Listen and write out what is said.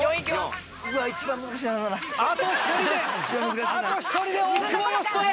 あと１人であと１人で大久保嘉人へ。